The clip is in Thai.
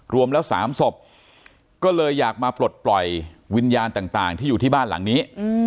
รวมแล้ว๓ศพก็เลยอยากมาปลดปล่อยวิญญาณต่างที่อยู่ที่บ้านหลังนี้